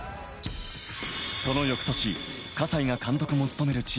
その翌年、葛西が監督も務める